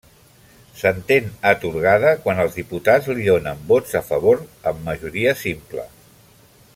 S'entén atorgada quan els diputats li donen vots a favor en majoria simple.